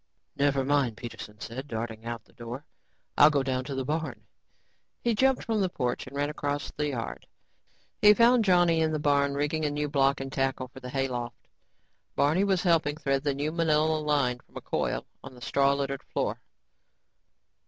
"Never mind," Peterson said, darting out the door, "I'll go down to the barn." He jumped from the porch and ran across the yard. He found Johnny in the barn, rigging a new block and tackle for the hayloft. Barney was helping thread the new, manila line from a coil on the straw littered floor.